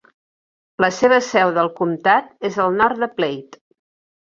La seva seu del comtat és el nord de Platte.